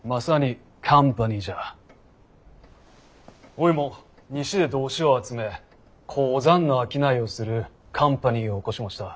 おいも西で同志を集め鉱山の商いをするカンパニーを興しもした。